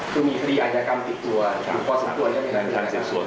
คือมีทฤยายกรรมติดตัวครับอยู่พอสมควรยังไงนะครับมันการเสพสวน